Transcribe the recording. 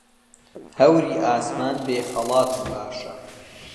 هەوری ئاسمان بێ خەڵاتم باشە